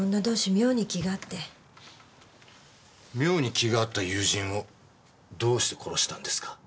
妙に気が合った友人をどうして殺したんですか？